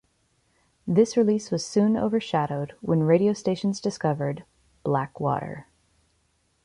This release was soon overshadowed when radio stations discovered "Black Water".